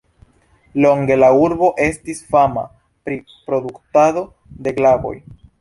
Longe la urbo estis fama pri produktado de glavoj.